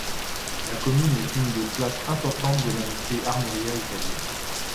La commune est une des places importantes de l'industrie armurière italienne.